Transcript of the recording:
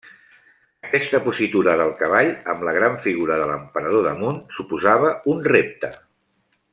Aquesta positura del cavall amb la gran figura de l'emperador damunt suposava un repte.